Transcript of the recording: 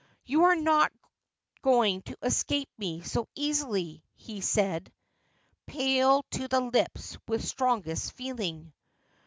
' You are not going to escape me so easily,' he said, pale to the lips with strongest feeling.